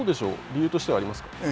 理由としてはありますか。